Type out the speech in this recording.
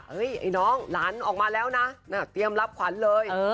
ไอ้น้องหลานออกมาแล้วนะเตรียมรับขวัญเลย